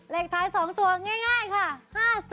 เลขท้าย๒ตัวง่ายค่ะ